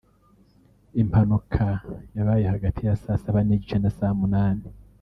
Impanuka yabaye hagati ya saa saba n’igice na saa munani